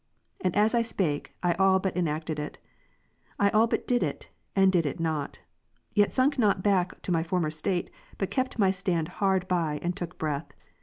And as I spake, I all but enacted it. I all but did it, and did it not : yet sunk not back to my former state, but kept my stand hard by, and took breath.